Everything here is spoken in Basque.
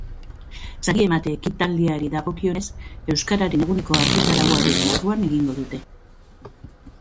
Sari emate ekitaldiari dagokionez, Euskararen Eguneko egitarauaren barruan egingo dute.